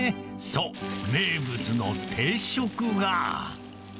そう、名物の定食が。